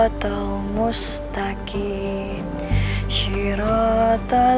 ini contrast tentang bangkit raja